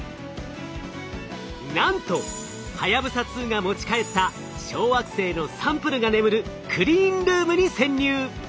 なんとはやぶさ２が持ち帰った小惑星のサンプルが眠るクリーンルームに潜入！